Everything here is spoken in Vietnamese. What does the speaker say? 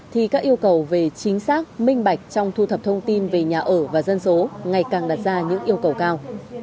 thì các yêu cầu về chính xác minh bạch trong thu thập thông tin về nhà ở và dân số ngày càng đặt ra những yêu cầu cao